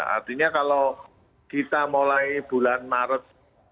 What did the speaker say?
artinya kalau kita mulai bulan maret